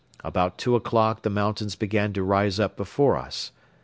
About two o'clock the mountains began to rise up before us.